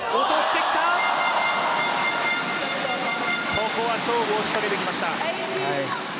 ここは勝負を仕掛けてきました。